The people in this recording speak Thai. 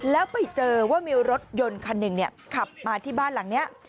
แล้วไปเจอว่ามีรถยนต์คันหนึ่งขับมาที่บ้านหลังนี้